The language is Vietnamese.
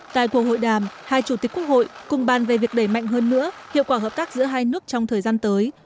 tại cuộc hội đàm hai chủ tịch quốc hội cùng bàn về việc đẩy mạnh hơn nữa hiệu quả hợp tác giữa hai nước trong thời gian tới